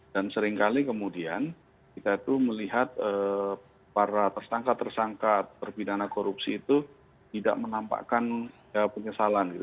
dan seringkali kemudian kita itu melihat para tersangka tersangka terpidana korupsi itu tidak menampakkan penyesalan gitu